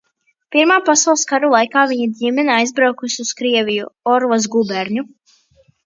Pirmā pasaules kara laikā viņa ģimene aizbraukusi uz Krieviju, Orlas guberņu.